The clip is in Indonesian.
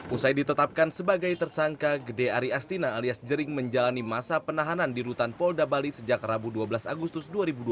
usai ditetapkan sebagai tersangka gede ari astina alias jering menjalani masa penahanan di rutan polda bali sejak rabu dua belas agustus dua ribu dua puluh